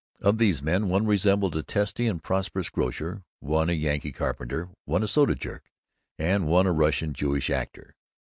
Of these men one resembled a testy and prosperous grocer, one a Yankee carpenter, one a soda clerk, and one a Russian Jewish actor.